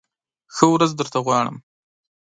ښه ورځ درته غواړم !